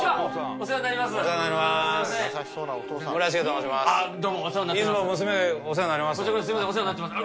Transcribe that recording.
お世話になってます